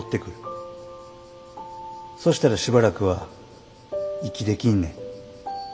そしたらしばらくは息できんねん。